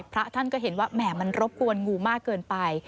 พระท่านก็เห็นว่าแหมมันรบกวนงูมากเกินไป